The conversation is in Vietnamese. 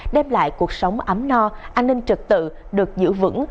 đem lại cuộc sống ấm no an ninh trực tự được giữ vững